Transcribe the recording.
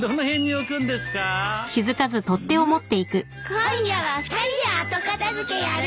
今夜は２人で後片付けやる。